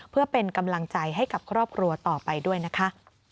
เพื่อเป็นกำลังใจให้กับครอบครัวต่อไปด้วยนะคะ